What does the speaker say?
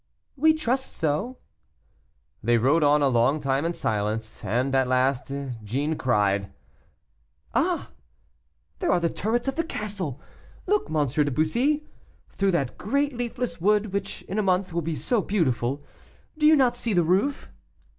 "We trust so." They rode on a long time in silence, and at last Jeanne cried: "Ah! there are the turrets of the castle. Look, M. de Bussy, through that great leafless wood, which in a month, will be so beautiful; do you not see the roof?"